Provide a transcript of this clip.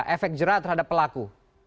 efek jerah terhadap pelaku